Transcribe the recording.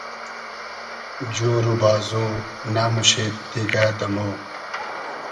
جور و بازو نئموشید دیگۂ دۂ مۉ